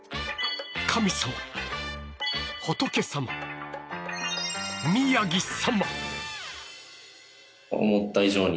神様、仏様、宮城様。